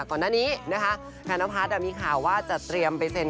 ก่อนหน้านี้นะคะค่ะน้องพัฒน์ดังนี้ข่าวว่าจะเตรียมไปเซ็น